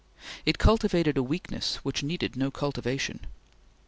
It cultivated a weakness which needed no cultivation.